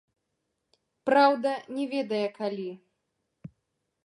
Праўда, не ведае калі.